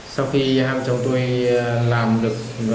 sau khi hai cháu tôi làm được tiền giả